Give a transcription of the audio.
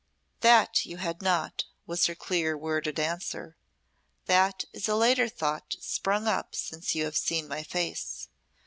"That you had not," was her clear worded answer. "That is a later thought sprung up since you have seen my face.